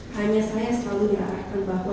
hanya saya selalu diarahkan bahwa